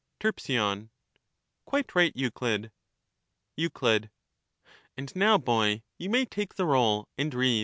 Terp, Quite right, Euclid. Euc, And now, boy, you may take the roll and read.